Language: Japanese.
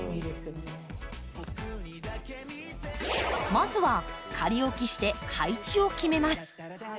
まずは仮置きして配置を決めます。